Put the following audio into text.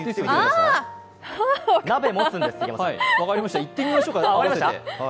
分かりました、言ってみましょうか、合わせて。